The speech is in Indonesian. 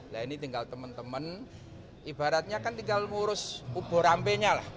nah ini tinggal teman teman ibaratnya kan tinggal mengurus uborambenya lah